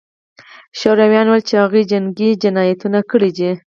شورویانو ویل چې هغوی جنګي جنایتونه کړي دي